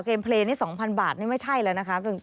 เพลย์นี่๒๐๐บาทนี่ไม่ใช่แล้วนะคะ